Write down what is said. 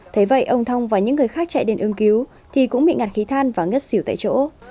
thế vậy ông thong và những người khác chạy đến ưm cứu thì cũng bị ngạt khí than và ngất xỉu tại chỗ